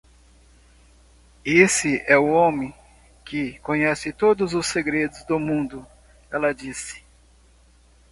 "Esse é o homem que conhece todos os segredos do mundo?" ela disse.